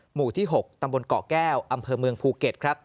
หมู่๖ตำบลตกแก้วอเมืองภูเกษ